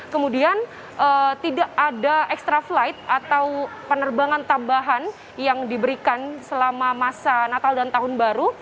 kemudian tidak ada extra flight atau penerbangan tambahan yang diberikan selama masa natal dan tahun baru